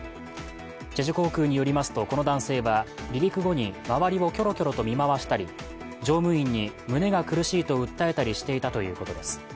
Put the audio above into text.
チェジュ航空によりますとこの男性は、離陸後に周りをキョロキョロと見回したり、乗務員に胸が苦しいと訴えたりしていたということです。